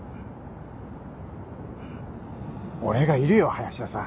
俺がいるよ林田さん。